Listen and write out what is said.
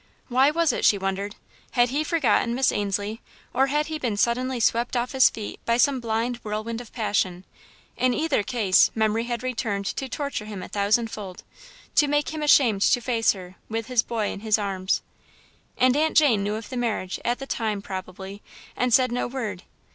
Why was it, she wondered? Had he forgotten Miss Ainslie, or had he been suddenly swept off his feet by some blind whirlwind of passion? In either case, memory had returned to torture him a thousand fold to make him ashamed to face her, with his boy in his arms. And Aunt Jane knew of the marriage, at the time, probably, and said no word.